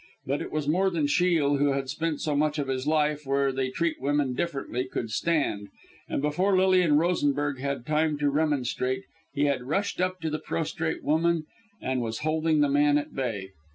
But it was more than Shiel, who had spent so much of his life where they treat women differently, could stand, and before Lilian Rosenberg had time to remonstrate, he had rushed up to the prostrate woman, and was holding the man at bay.